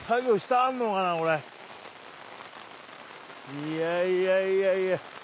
いやいやいやいや。